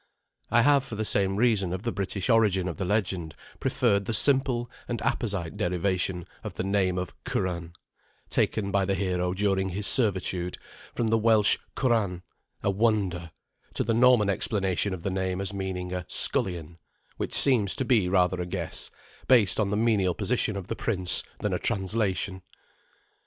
I have, for the same reason of the British origin of the legend, preferred the simple and apposite derivation of the name of "Curan," taken by the hero during his servitude, from the Welsh Cwran, "a wonder," to the Norman explanation of the name as meaning a "scullion," which seems to be rather a guess, based on the menial position of the prince, than a translation.